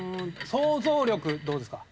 想像力どうですか？